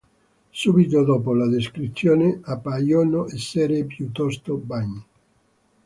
Subito dopo le descrizioni appaiono essere piuttosto vaghe.